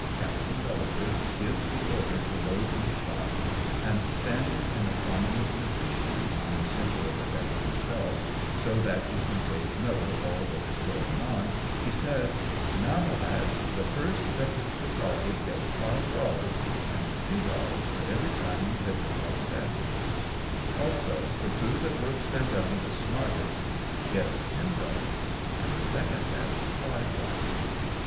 Captain Gullivar gives the order to load with shot, and, standing in a prominent position on the centre of the deck himself, so that he can take note of all that is going on, he says, " Now my lads, the first that hits the target gets five dollars, and two dollars for every time you hit the target afterwards ; also the crew that works their gun the smartest gets ten dollars, and the second best five dollars."